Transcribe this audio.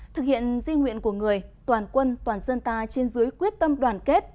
thực hiện di nguyện của người toàn quân toàn dân ta trên dưới quyết tâm đoàn kết